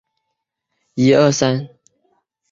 白颊山鹧鸪为雉科山鹧鸪属的鸟类。